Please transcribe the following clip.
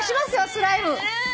スライム。